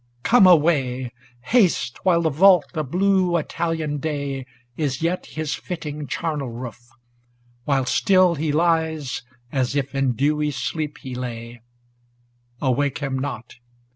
ŌĆö Come away Haste, while the vault of blue Italian day Is yet his fitting charnel roof ! while still He lies, as if in dewy sleep he lay; Awake him not